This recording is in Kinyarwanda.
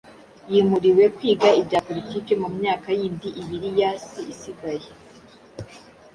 yimuriwe kwiga ibya Politiki mu myaka yindi ibiri yasi isigaye.